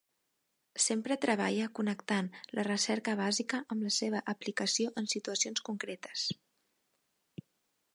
Sempre treballa connectant la recerca bàsica amb la seva aplicació en situacions concretes.